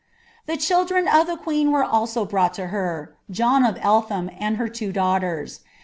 " Tlie children of the queen were also brought to her, John of DikM and her two daughters.